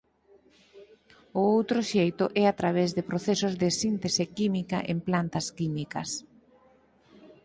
O outro xeito é a través de procesos de síntese química en plantas químicas.